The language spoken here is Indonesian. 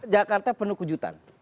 jakarta penuh kejutan